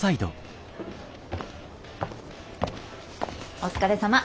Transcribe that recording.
お疲れさま。